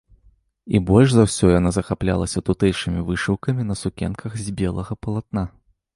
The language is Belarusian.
І больш за ўсё яна захаплялася тутэйшымі вышыўкамі на сукенках з белага палатна.